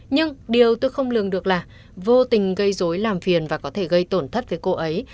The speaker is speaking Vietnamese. nhưng điều tôi không lường được là vô tình gây dối làm phiền và có thể gây tổn thất với cô ấy